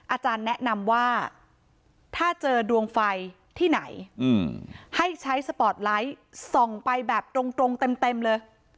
อาจารย์แนะนำว่าถ้าเจอดวงไฟที่ไหนให้ใช้สปอร์ตไลท์ส่องไปแบบตรงเต็มเลย